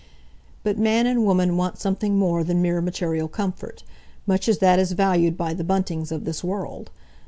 But man and woman want something more than mere material comfort, much as that is valued by the Buntings of this world.